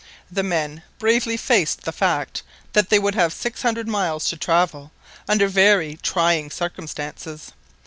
The men bravely faced the fact that they would have six hundred miles to travel under very trying circumstances.